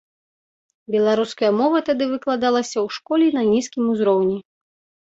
Беларуская мова тады выкладалася ў школе на нізкім узроўні.